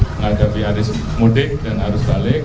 menghadapi arus mudik dan arus balik